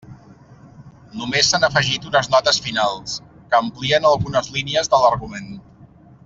Només s'han afegit unes notes finals, que amplien algunes línies de l'argument.